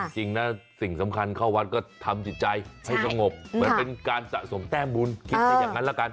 จริงนะสิ่งสำคัญเข้าวัดก็ทำจิตใจให้สงบเหมือนเป็นการสะสมแต้มบุญคิดซะอย่างนั้นละกัน